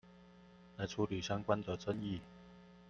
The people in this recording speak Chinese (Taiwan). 來處理相關的爭議